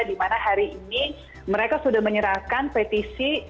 di mana hari ini mereka sudah menyerahkan petisi